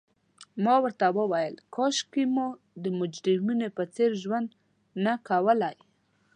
ما ورته وویل: کاشکي مو د مجرمینو په څېر ژوند نه کولای.